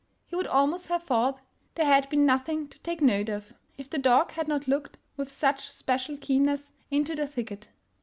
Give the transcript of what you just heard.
He would almost have thought there had been nothing to take note of, if the dog had not looked with such special keen ness into the thicket.